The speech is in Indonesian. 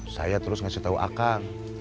saya terus ngasih tau akang